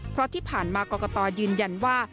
เพราะที่ผ่านมากรกตยืนยันว่า